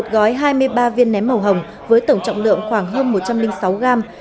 một gói hai mươi ba viên ném màu hồng với tổng trọng lượng khoảng hơn một trăm linh sáu gram